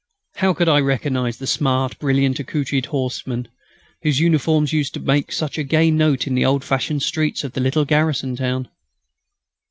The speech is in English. How could I recognise the smart, brilliantly accoutred horsemen, whose uniforms used to make such a gay note in the old fashioned streets of the little garrison town?